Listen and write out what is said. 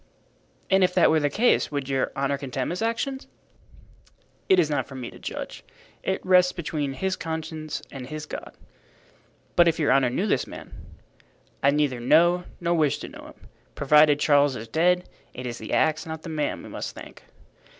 "And if that were the case would your honor condemn his action?" "It is not for me to judge. It rests between his conscience and his God." "But if your honor knew this man?" "I neither know nor wish to know him. Provided Charles is dead, it is the axe, not the man, we must thank."